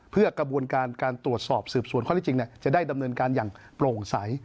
เพื่อกระบวนการการตรวจสอบสืบสวนข้อที่จริงจะได้ดำเนินการอย่างโปร่งใส